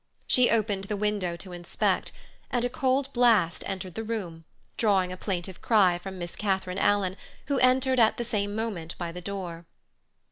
She opened the window to inspect, and a cold blast entered the room, drawing a plaintive cry from Miss Catharine Alan, who entered at the same moment by the door.